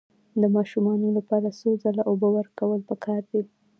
د ماشو لپاره څو ځله اوبه ورکول پکار دي؟